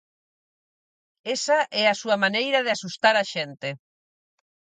Esa é a súa maneira de asustar a xente.